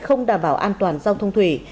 không đảm bảo an toàn giao thông thủy